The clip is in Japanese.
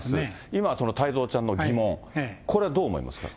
今、その太蔵ちゃんの疑問、これ、どう思いますか。